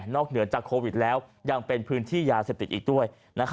เหนือจากโควิดแล้วยังเป็นพื้นที่ยาเสพติดอีกด้วย